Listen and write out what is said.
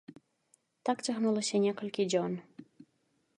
Так цягнулася некалькі дзён.